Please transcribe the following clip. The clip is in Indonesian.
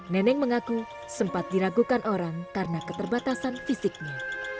neneng mengaku sempat diragukan orang karena keterbatasan fisiknya